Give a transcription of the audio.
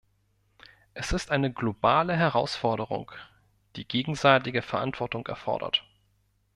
Es ist eine globale Herausforderung, die gegenseitige Verantwortung erfordert.